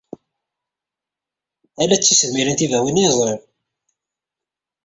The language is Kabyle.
Ala d tisedmirin tibawin ay ẓriɣ.